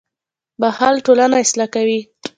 • بښل ټولنه اصلاح کوي.